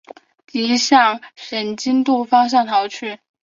敌向申津渡方向逃去。